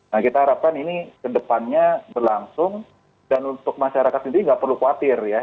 nah kita harapkan ini ke depannya berlangsung dan untuk masyarakat sendiri nggak perlu khawatir ya